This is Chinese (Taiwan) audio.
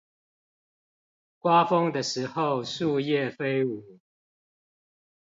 刮風的時候樹葉飛舞